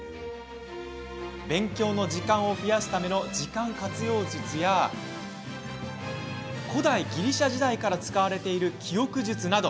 勉強の時間を増やすための時間活用術や古代ギリシャ時代から使われている記憶術など。